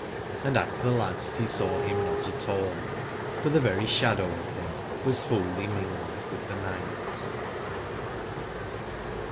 And at the last he saw him not at all, for the very shadow of him was wholly mingled with the night.